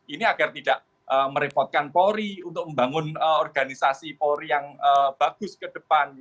ini agar tidak merepotkan polri untuk membangun organisasi polri yang bagus ke depan